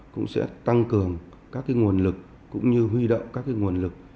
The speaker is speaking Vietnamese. cũng sẽ tăng cường các nguồn lực cũng như huy động các nguồn lực